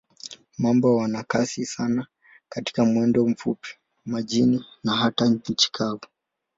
Mamba wana kasi sana katika mwendo mfupi, majini na hata nchi kavu.